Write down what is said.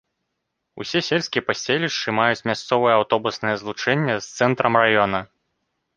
Усе сельскія паселішчы маюць мясцовае аўтобуснае злучэнне з цэнтрам раёна.